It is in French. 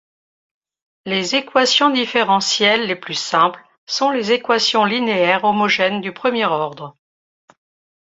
Les équations différentielles les plus simples sont les équations linéaires homogènes du premier ordre.